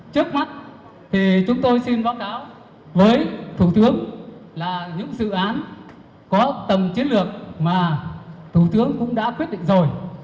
trước mắt thì chúng tôi xin báo cáo với thủ tướng là những dự án có tầm chiến lược mà thủ tướng cũng đã quyết định rồi